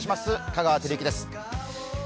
香川照之です。